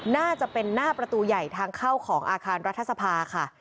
น่าจะเป็นหน้าประตูใหญ่ทางเข้าของอาคารรัฐสภาค่ะ